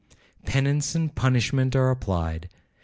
Penance and punishment are applied.